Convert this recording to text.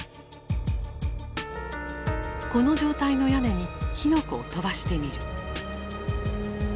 この状態の屋根に火の粉を飛ばしてみる。